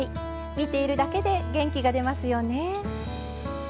見ているだけで元気が出ますよね。